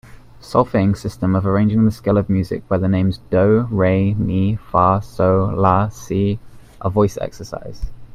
Solfaing system of arranging the scale of music by the names do, re, mi, fa, sol, la, si a voice exercise.